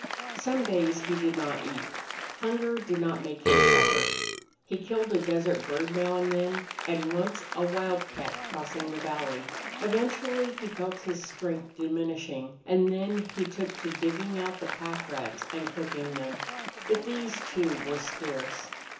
Some days he did not eat. Hunger did not make him suffer. He killed a desert bird now and then, and once a wildcat crossing the valley. Eventually he felt his strength diminishing, and then he took to digging out the pack rats and cooking them. But these, too, were scarce.